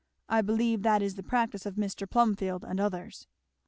I believe that is the practice of Mr. Plumfield and others."